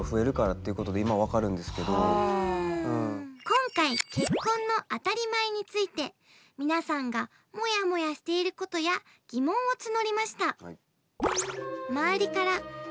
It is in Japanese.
今回結婚の当たり前について皆さんがもやもやしていることや疑問を募りました。